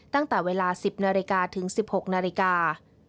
ตั้งแต่เวลา๑๐นาฬิกาถึง๑๖นาฬิกา